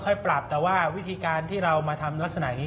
ปรับแต่ว่าวิธีการที่เรามาทำลักษณะนี้